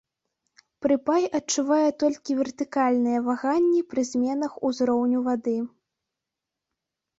Прыпай адчувае толькі вертыкальныя ваганні пры зменах узроўню вады.